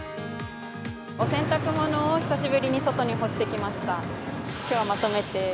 お洗濯物を久しぶりに外に干してきました。